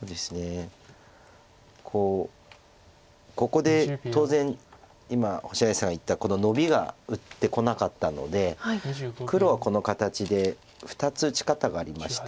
ここで当然今星合さんが言ったノビが打ってこなかったので黒はこの形で２つ打ち方がありまして。